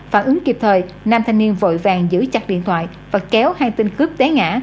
phản ứng kịp thời nam thanh niên vội vàng giữ chặt điện thoại và kéo hai tên cướp té ngã